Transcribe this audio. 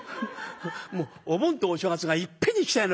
もうお盆とお正月がいっぺんに来たような心持ちがしまして」。